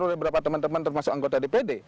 oleh beberapa teman teman termasuk anggota dpd